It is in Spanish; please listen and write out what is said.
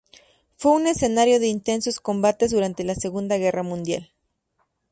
Fue un escenario de intensos combates durante la Segunda Guerra Mundial.